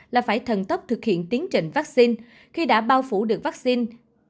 là phải thần tốc thực hiện tiến trình vaccine khi đã bao phủ được vaccine